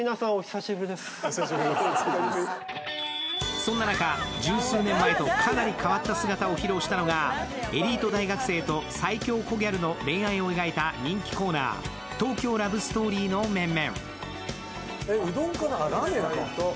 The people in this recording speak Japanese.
そんな中、十数年前とかなり変わった姿を披露したのがエリート大学生と最強コギャルの恋愛を描いた人気コーナー「東京ラブストーリー」の面々。